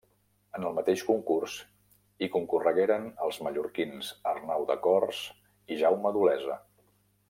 En el mateix concurs hi concorregueren els mallorquins Arnau de Cors i Jaume d’Olesa.